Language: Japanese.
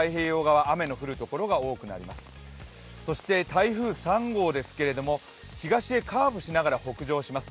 台風３号ですけれども、東へカーブしながら北上します。